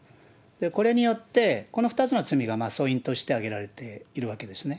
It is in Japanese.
これによって、この２つの罪が素因として挙げられているわけですね。